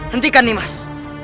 hentikan nih mas